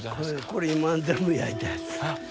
これ全部焼いたやつ。